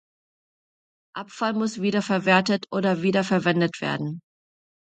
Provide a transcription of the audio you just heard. Abfall muss wiederverwertet oder wiederverwendet werden.